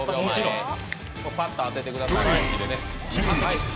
もちろん。